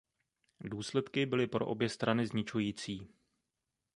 Důsledky byly pro obě strany zničující.